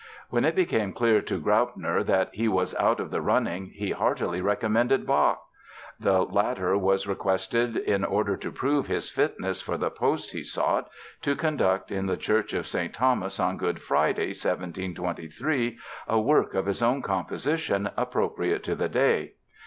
When it became clear to Graupner that he was out of the running he heartily recommended Bach. The latter was requested, in order to prove his fitness for the post he sought, to conduct in the Church of St. Thomas on Good Friday, 1723, a work of his own composition, appropriate to the day.